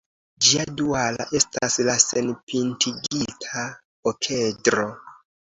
Ĝia duala estas la senpintigita okedro.